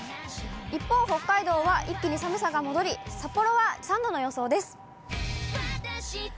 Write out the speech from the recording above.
一方、北海道は一気に寒さが戻り、札幌は３度の予想です。